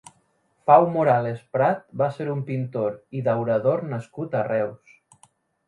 Pau Morales Prat va ser un pintor i daurador nascut a Reus.